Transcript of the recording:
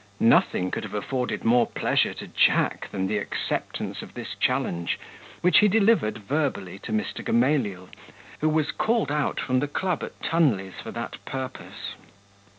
Nothing could have afforded more pleasure to Jack than the acceptance of this challenge, which he delivered verbally to Mr. Gamaliel, who was called out from the club at Tunley's for that purpose.